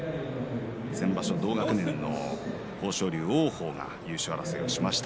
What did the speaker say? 先場所同学年の豊昇龍王鵬が優勝争いをしました。